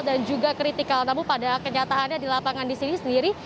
dan juga kritikal namun pada kenyataannya di lapangan di sini sendiri